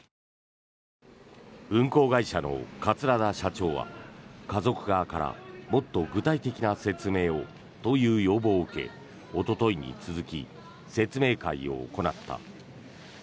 運航会社の桂田社長は家族側からもっと具体的な説明をという要望を受けおとといに続き説明会を行った。